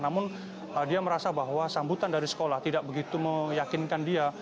namun dia merasa bahwa sambutan dari sekolah tidak begitu meyakinkan dia